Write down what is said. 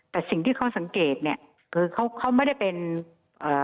แต่สิ่งที่เขาสังเกตเนี้ยคือเขาเขาไม่ได้เป็นเอ่อ